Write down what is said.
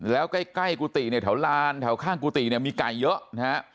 แล้วใกล้กุฏิเนี่ยแถวลานแถวข้างกุฏิเนี่ยมีไก่เยอะนะฮะ